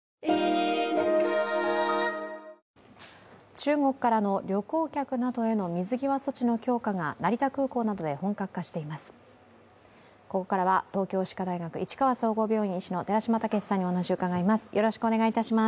中国からの旅行客などへの水際措置の強化が成田空港などで本格化しています。